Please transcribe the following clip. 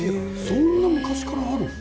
そんな昔のころからあるの？